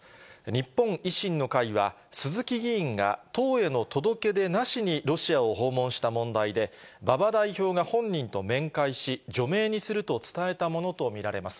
日本維新の会は、鈴木議員が党への届け出なしにロシアを訪問した問題で、馬場代表が本人と面会し、除名にすると伝えたものと見られます。